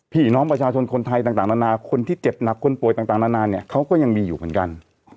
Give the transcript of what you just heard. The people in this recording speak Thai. พี่น้องประชาชนคนไทยต่างนานาคนที่เจ็บหนักคนป่วยต่างนานาเนี่ยเขาก็ยังมีอยู่เหมือนกัน